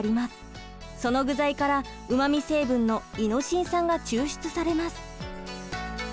その具材からうまみ成分のイノシン酸が抽出されます。